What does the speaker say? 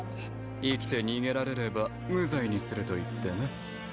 生きて逃げられれば無罪にすると言ってな